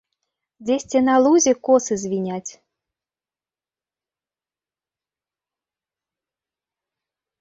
Дзесьці на лузе косы звіняць.